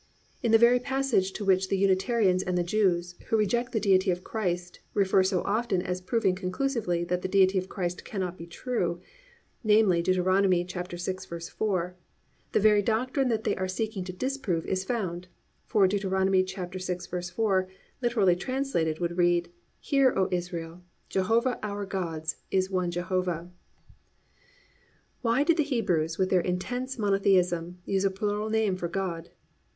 In the very passage to which the Unitarians and the Jews, who reject the Deity of Christ, refer so often as proving conclusively that the Deity of Christ cannot be true, namely Deut. 6:4, the very doctrine that they are seeking to disprove is found; for Deut. 6:4 literally translated would read +"Hear, O Israel: Jehovah our Gods is one Jehovah."+ Why did the Hebrews with their intense monotheism, use a plural name for God?